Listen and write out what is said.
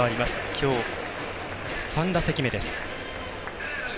きょう３打席目です。